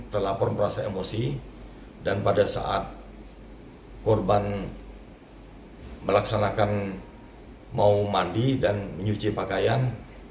terlapor merasa emosi dan pada saat korban melaksanakan mau mandi dan menyuci pakaian